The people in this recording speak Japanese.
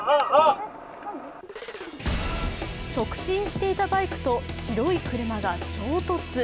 直進していたバイクと白い車が衝突。